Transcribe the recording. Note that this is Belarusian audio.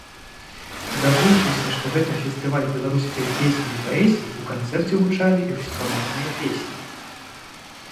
Забыўшыся, што гэта фестываль беларускай песні і паэзіі, у канцэрце гучалі і рускамоўныя песні.